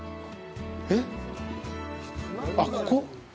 えっ、あっ、ここ？